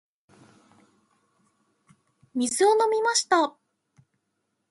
水を飲みました。